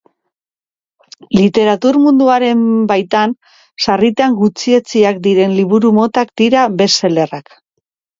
Literatur munduaren baitan sarritan gutxietsiak diren liburu motak dira best-seller-ak.